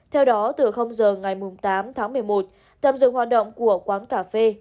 theo đó từ giờ ngày tám tháng một mươi một tạm dựng hoạt động của quán cà phê